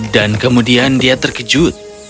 dan kemudian dia terkejut